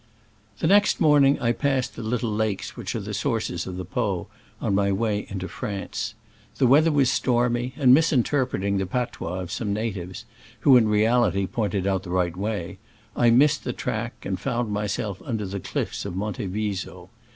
The next morning I passed the little lakes which are the sources of the Po, on my way into France. The weather was stormy, and misinterpreting the patois of some natives — who in reality pointed out the right way — I missed the track, and found myself under the cliffs of Monte Viso.